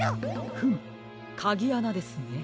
フムかぎあなですね。